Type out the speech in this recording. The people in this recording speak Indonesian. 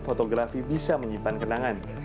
fotografi bisa menyimpan kenangan